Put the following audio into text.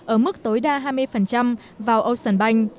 ở mức tối đa hai mươi vào ocean bank